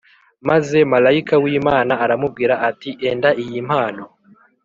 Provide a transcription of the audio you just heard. Maze malayika w’Imana aramubwira ati Enda iyi mpano